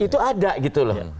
itu ada gitu loh